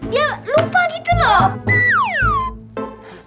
dia lupa gitu loh